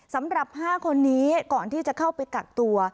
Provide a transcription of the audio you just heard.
สำหรับ๕คนนี้ก่อนที่จะเข้าไปกักตัว